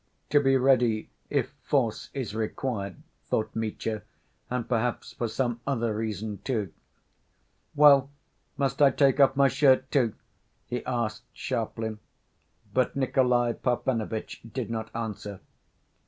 "To be ready if force is required," thought Mitya, "and perhaps for some other reason, too." "Well, must I take off my shirt, too?" he asked sharply, but Nikolay Parfenovitch did not answer.